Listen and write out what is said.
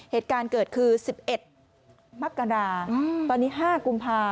เหตุการณ์เกิดคือ๑๑มกราตอนนี้๕กุมภา